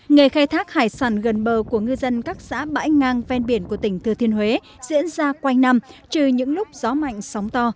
nghề khai thác hải sản gần bờ của ngư dân các xã bãi ngang ven biển của tỉnh thừa thiên huế diễn ra quanh năm trừ những lúc gió mạnh sóng to